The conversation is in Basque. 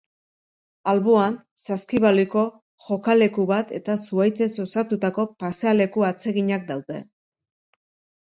Alboan, saskibaloiko jokaleku bat eta zuhaitzez osatutako pasealeku atseginak daude.